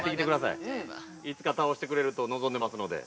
いつか倒してくれると望んでますので。